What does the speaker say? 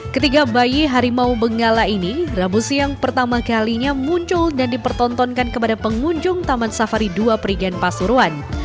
ketiga bayi harimau benggala ini rabu siang pertama kalinya muncul dan dipertontonkan kepada pengunjung taman safari dua perigen pasuruan